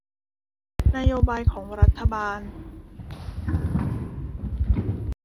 นโยบายของรัฐบาล